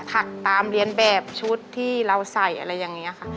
ผักตามเรียนแบบชุดที่เราใส่อะไรอย่างนี้ค่ะ